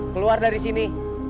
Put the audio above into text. keluar dari sini